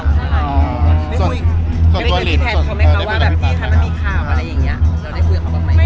มันไปจับได้ไง